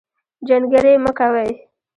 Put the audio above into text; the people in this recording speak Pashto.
جنګرې مۀ کوئ